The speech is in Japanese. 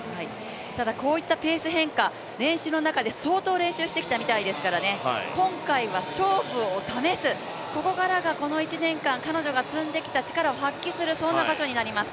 ただこういったペース変化練習の中で相当練習してきたみたいですからね今回は勝負を試す、ここからがこの１年間、彼女が積んできた力を発揮する場所になります。